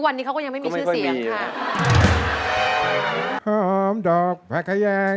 จากใร่ไปหาเงินตราชวดชม